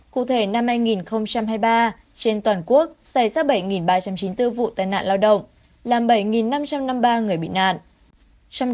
cụ thể năm hai nghìn hai mươi ba trên toàn quốc xảy ra bảy ba trăm chín mươi bốn vụ tai nạn lao động làm bảy năm trăm năm mươi ba người bị nạn